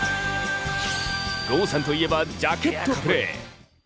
郷さんといえばジャケットプレイ！